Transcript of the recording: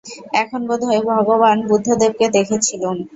এখন বোধ হয়, ভগবান বুদ্ধদেবকে দেখেছিলুম।